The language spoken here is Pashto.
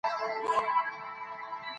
د کویلیو شهرت یوازې داستاني نه دی.